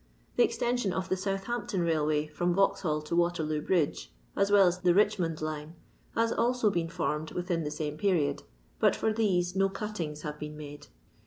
The extension of the Southampton Bailway from Vauxhall to Waterloo bridge, as weU as the Bichmond Line, has also been formed within the same period, but for these no cuttings have been made.